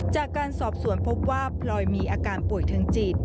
จากการสอบสวนพบว่าพลอยมีอาการป่วยทางจิต